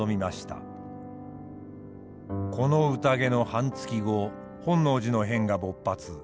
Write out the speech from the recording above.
この宴の半月後本能寺の変が勃発。